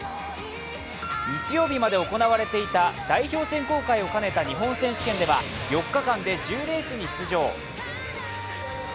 日曜日まで行われていた代表選考会を兼ねた日本選手権では、４日間で１０レースに出場。